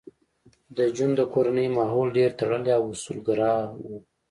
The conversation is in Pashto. د جون د کورنۍ ماحول ډېر تړلی او اصولګرا و